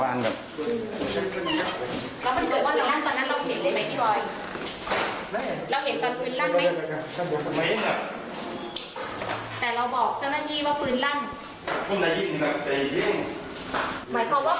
พื้นรั่นเกิดเห็นมันเป็นยังไงทำไมเราเล่าไม่เหมือนกันค่ะพี่บอย